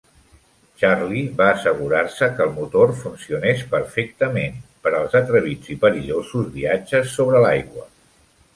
Charlie va assegurar-se que el motor funcionés perfectament per als atrevits i perillosos viatges sobre l'aigua.